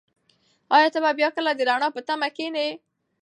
ایا ته به بیا کله د رڼا په تمه کښېنې؟